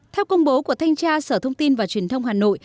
theo công bố của thanh tra sở thông tin và truyền thông hà nội